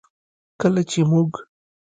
کله چې موږ